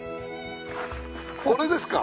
これですか？